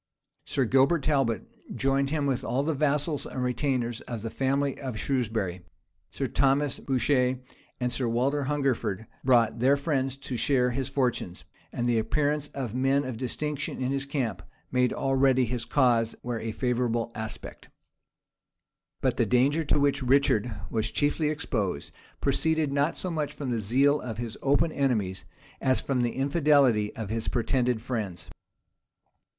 Sir Gilbert Talbot joined him with all the vassals and retainers of the family of Shrewsbury: Sir Thomas Bourchier and Sir Walter Hungerford brought their friends to share his fortunes; and the appearance of men of distinction in his camp made already his cause wear a favorable aspect. But the danger to which Richard was chiefly exposed, proceeded not so much from the zeal of his open enemies, as from the infidelity of his pretended friends.